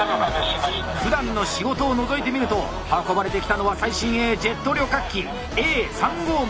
ふだんの仕事をのぞいてみると運ばれてきたのは最新鋭ジェット旅客機Ａ３５０！